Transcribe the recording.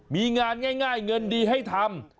มีงานง่ายเงินดีให้ทำ